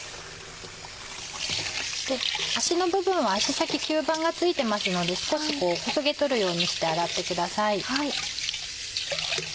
足の部分は足先吸盤が付いてますので少しこうこそげ取るようにして洗ってください。